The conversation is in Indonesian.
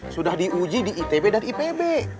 sudah diuji di itb dan ipb